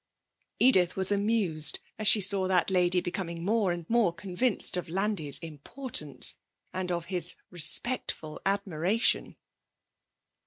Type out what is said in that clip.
Edith was amused as she saw that lady becoming more and more convinced of Landi's importance, and of his respectful admiration.